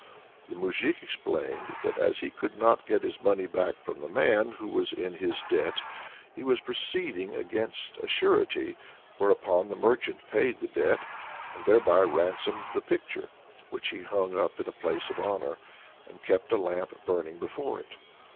The moujik explained that as he could not get his money back from a man who was in his debt, he was proceeding against a surety; whereupon the merchant paid the debt, and thereby ransomed the picture, which he hung up in a place of honor, and kept a lamp burning before it.